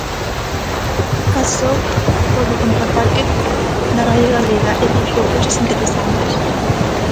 Pasou polo Contraataque da Radio Galega e deixou cousas interesantes.